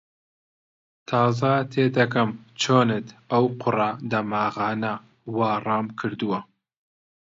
تازە تێدەگەم چۆنت ئەو قۆڕە دەماغانە وا ڕام کردووە